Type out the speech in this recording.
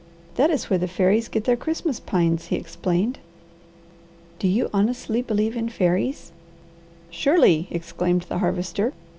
"That is where the fairies get their Christmas pines," he explained. "Do you honestly believe in fairies?" "Surely!" exclaimed the Harvester.